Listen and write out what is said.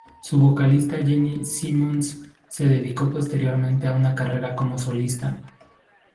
Su vocalista Jenny Simmons se dedicó posteriormente a una carrera como solista.